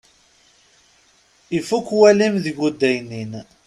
Ifukk walim deg udaynin.